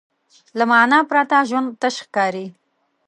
له معنی پرته ژوند تش ښکاري.